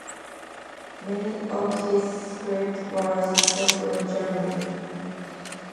Many of his scripts were successful in Germany.